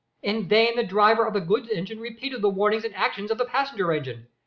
In vain the driver of the goods engine repeated the warnings and actions of the passenger engine.